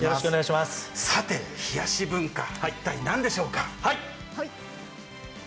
さて、冷やし文化一体何でしょうか？